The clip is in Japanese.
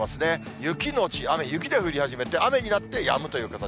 雪後雨、雪で降り始めて雨になってやむという形。